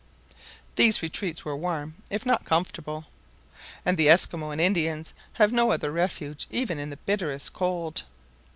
These retreats were warm, if not comfortable; and the Esquimaux and Indians have no other refuge even in the bitterest cold.